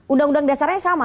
undang undang dasar yang sama